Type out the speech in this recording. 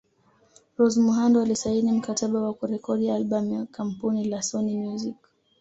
Rose Muhando alisaini mkataba wa kurekodi albam na kampuni la Sony Music